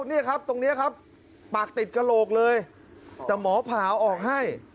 นี่ครับตรงนี้ครับปากติดกระโหลกเลยแต่หมอผ่าออกให้